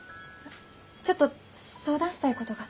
ちょっと相談したいことが。